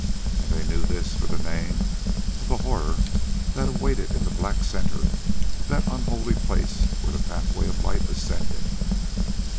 And they knew this for the name of the horror that waited in the black center of that unholy place where the pathway of light ascended.